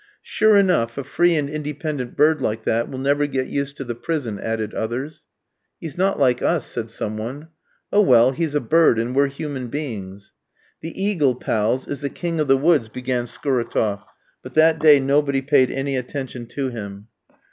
"Sure enough, a free and independent bird like that will never get used to the prison," added others. "He's not like us," said some one. "Oh well, he's a bird, and we're human beings." "The eagle, pals, is the king of the woods," began Skouratof; but that day nobody paid any attention to him.